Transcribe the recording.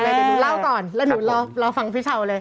หรือหนูเราก่อนแล้วหนูรอรอฟังพี่เช้าเลย